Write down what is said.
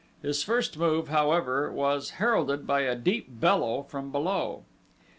His first move, however, was heralded by a deep bellow from below.